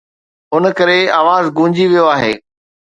ان ڪري آواز گونجي ويو آهي.